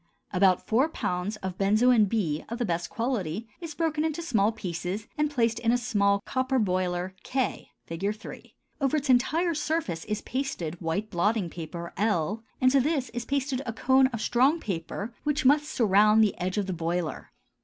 _ About four pounds of benzoin B of best quality is broken into small pieces and placed in a small copper boiler K (Fig. 3); over its entire surface is pasted white blotting paper L, and to this is pasted a cone of strong paper which must surround the edge of the boiler.